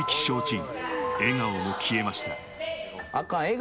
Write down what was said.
［笑顔も消えました］